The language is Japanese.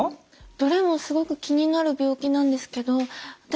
どれもすごく気になる病気なんですけど私